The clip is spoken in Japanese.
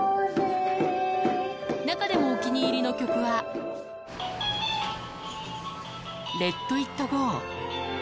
中でもお気に入りの曲は、ＬｅｔＩｔＧｏ。